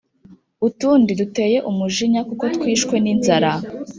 utundi duteye umujinya kuko twishwe ninzara